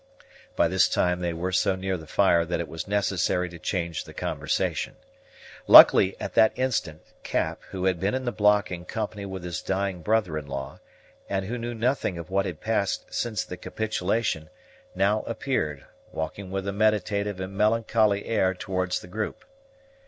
By this time they were so near the fire that it was necessary to change the conversation. Luckily, at that instant, Cap, who had been in the block in company with his dying brother in law, and who knew nothing of what had passed since the capitulation, now appeared, walking with a meditative and melancholy air towards the group.